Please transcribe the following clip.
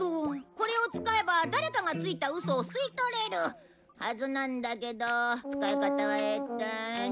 これを使えば誰かがついたウソを吸い取れる！はずなんだけど使い方がえとちょっと待ってね。